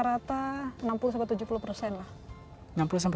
rata rata enam puluh tujuh puluh persen lah